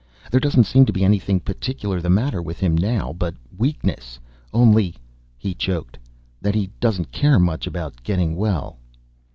"There doesn't seem anything particular the matter with him now but weakness. Only," he choked, "that he doesn't care much about getting well."